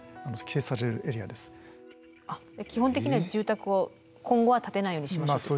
基本的には住宅を今後は建てないようにしましょうと。